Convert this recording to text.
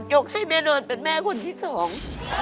กให้แม่นอนเป็นแม่คนที่สอง